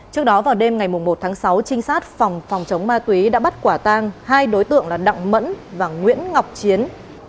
trước đó vào đêm ngày một tháng sáu trinh sát phòng phòng chống ma túy đã bắt quả tang hai đối tượng là đặng mẫn và nguyễn ngọc chiến